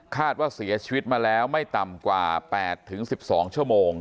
ว่าเสียชีวิตมาแล้วไม่ต่ำกว่า๘๑๒ชั่วโมง